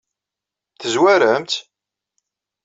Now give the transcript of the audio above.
Tezwarem-tt?